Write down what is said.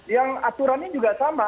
yang aturannya juga sama